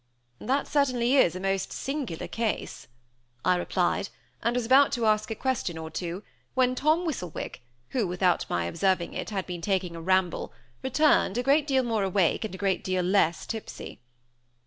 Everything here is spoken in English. "That certainly is a most singular case," I replied, and was about to ask a question or two, when Tom Whistlewick who, without my observing it, had been taking a ramble, returned, a great deal more awake, and a great deal less tipsy.